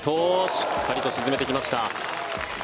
しっかりと沈めてきました。